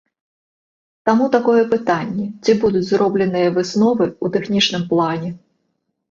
Таму, такое пытанне, ці будуць зробленыя высновы ў тэхнічным плане.